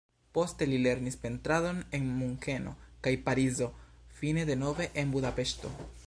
Poste li lernis pentradon en Munkeno kaj Parizo, fine denove en Budapeŝto.